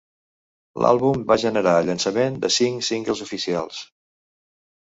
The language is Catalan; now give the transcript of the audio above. L'àlbum va generar el llançament de cinc singles oficials.